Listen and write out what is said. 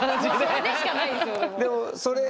それでしかないですよもう。